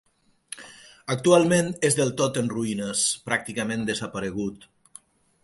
Actualment és del tot en ruïnes, pràcticament desaparegut.